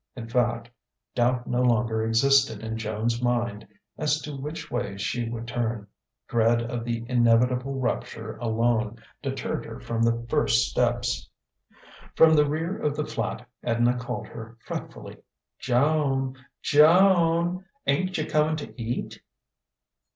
In fact, doubt no longer existed in Joan's mind as to which way she would turn: dread of the inevitable rupture alone deterred her from the first steps. From the rear of the flat Edna called her fretfully: "Joan! Jo an! Ain't you coming to eat?"